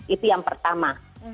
itu yang pertama